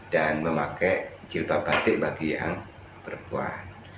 dan memakai jilbab batik bagi yang berkuah